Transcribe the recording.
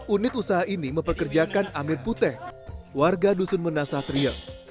unit usaha ini memperkerjakan amir putih warga dusun menasah trie